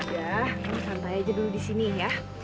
ya santai aja dulu disini ya